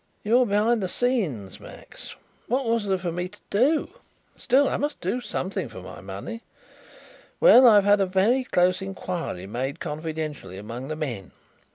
"You are behind the scenes, Max. What was there for me to do? Still I must do something for my money. Well, I have had a very close inquiry made confidentially among the men.